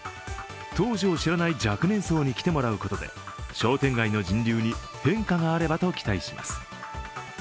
当時を知らない若年層に来てもらうことで商店街の人流に変化があればと期待します。